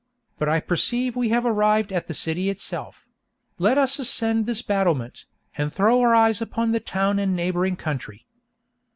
But I perceive we have arrived at the city itself. Let us ascend this battlement, and throw our eyes upon the town and neighboring country.